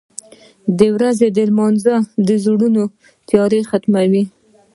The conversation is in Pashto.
• د ورځې لمونځ د زړونو تیاره ختموي.